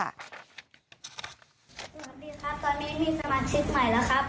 สวัสดีครับตอนนี้มีสมาชิกใหม่แล้วครับ